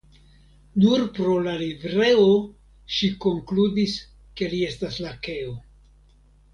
Nur pro la livreo ŝi konkludis ke li estas lakeo.